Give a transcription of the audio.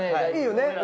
いいよね。